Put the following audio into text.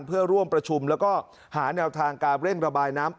เพื่อร่วมประชุมแล้วก็หาแนวทางการเร่งระบายน้ำ